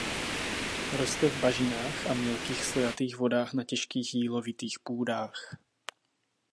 Roste v bažinách a mělkých stojatých vodách na těžkých jílovitých půdách.